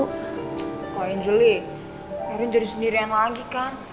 kak angelie erin jadi sendirian lagi kan